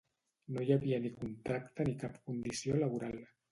No hi havia ni contracte ni cap condició laboral